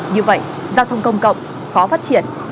như vậy giao thông công cộng khó phát triển